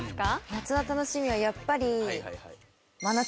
夏の楽しみはやっぱり。